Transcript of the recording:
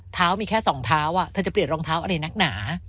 มีแค่สองเท้าเธอจะเปลี่ยนรองเท้าอะไรนักหนา